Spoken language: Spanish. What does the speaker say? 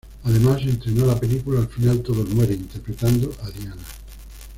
Además, estrenó la película "Al final todos mueren" interpretando a Diana.